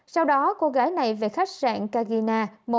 sau đó cô gái này về khách sạn cagio